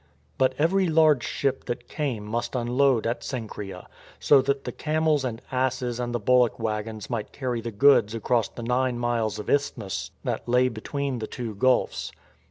But every large ship that came must unload at Cenchreae, so that the camels and asses and the bullock wagons might carry the goods across the nine miles of isthmus that lay between the two gulfs.